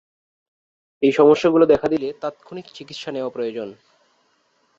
এই সমস্যাগুলো দেখা দিলে তাৎক্ষণিক চিকিৎসা নেয়া প্রয়োজন।